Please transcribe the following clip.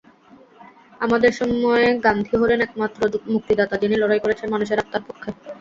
আমাদের সময়ে গান্ধী হলেন একমাত্র মুক্তিদাতা, যিনি লড়াই করেছেন মানুষের আত্মার পক্ষে।